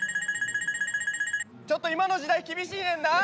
ちょっと今の時代厳しいねんな。